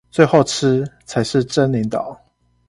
最後吃，才是真領導